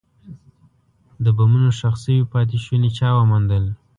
د بمونو ښخ شوي پاتې شوني چا وموندل.